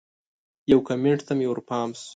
یو کمنټ ته مې ورپام شو